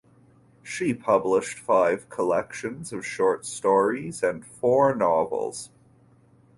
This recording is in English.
She published five collections of short stories and four novels.